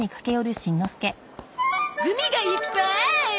グミがいっぱい！